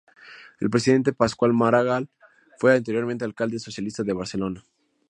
El presidente, Pasqual Maragall, fue anteriormente alcalde socialista de Barcelona.